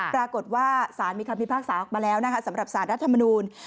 ปรากฏว่าสารมีคำพิพากษาออกมาแล้วนะคะสำหรับสารรัฐมนูล